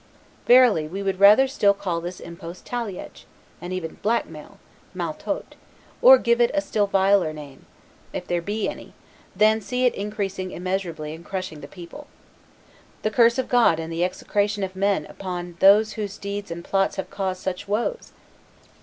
Verily, we would rather still call this impost talliage, and even blackmail (maltote), or give it a still viler name, if there be any, than see it increasing immeasurably and crushing the people. The curse of God and the execration of men upon those whose deeds and plots have caused such woes!